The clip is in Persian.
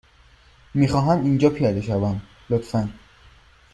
می خواهم اینجا پیاده شوم، لطفا.